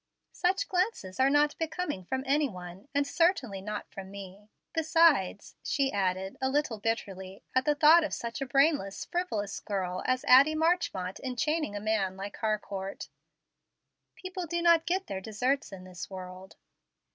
"Such 'glances' are not becoming from any one, and certainly not from me. Besides," she added, a little bitterly, at the thought of such a brainless, frivolous girl as Addie Marchmont enchaining a man like Harcourt, "people do not get their deserts in this world."